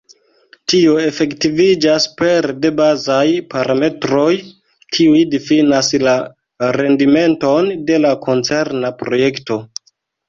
Tio efektiviĝas pere de bazaj parametroj, kiuj difinas la rendimenton de la koncerna projekto.